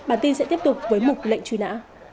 bản tin sẽ tiếp tục với mục lệnh truy nã